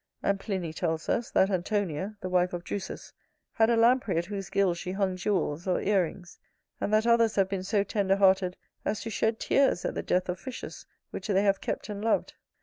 And Pliny tells us, that Antonia, the wife of Drusus, had a Lamprey at whose gills she hung jewels or ear rings; and that others have been so tender hearted as to shed tears at the death of fishes which they have kept and loved.